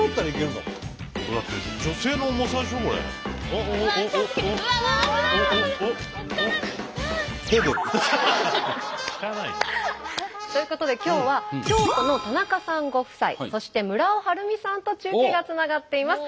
汚いなあ。ということで今日は京都の田中さんご夫妻そして村尾はるみさんと中継がつながっています。